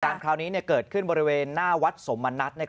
คราวนี้เกิดขึ้นบริเวณหน้าวัดสมณัฐ